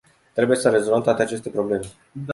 Trebuie să rezolvăm toate aceste probleme.